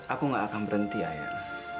aku gak akan berhenti ayah